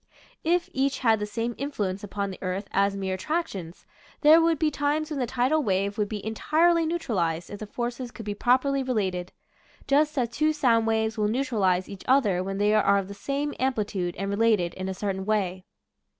If each had the same influence upon the earth as mere attractions, there would be times when the tidal wave would be entirely neutralized if the forces could be properly re / i . Original from UNIVERSITY OF WISCONSIN Zbe Sun's Wags. 1C5 lated, just as two sound waves will neutralize each other when they are of the same ampli tude and related in a certain way.